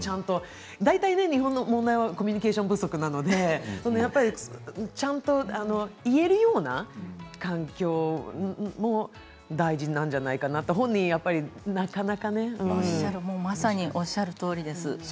大体、日本の問題はコミュニケーション不足なのでちゃんと言えるような環境も大事なんじゃないかなとおっしゃるとおりです。